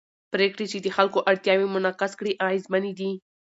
پرېکړې چې د خلکو اړتیاوې منعکس کړي اغېزمنې دي